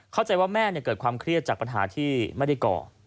เข้าใจว่าแม่เกิดความเครียดจากปัญหาที่ไม่ได้ก่อ